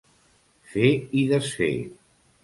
Fer i desfer.